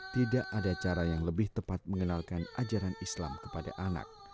tidak ada cara yang lebih tepat mengenalkan ajaran islam kepada anak